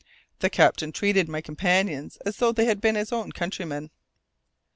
The captain treated my companions as though they had been his own countrymen.